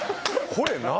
これ何！？